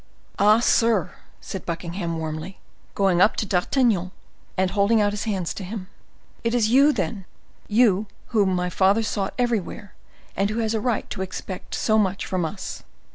"Ah! sir," said Buckingham, warmly, going up to D'Artagnan, and holding out his hand to him, "it is you, then—you whom my father sought everywhere and who had a right to expect so much from us."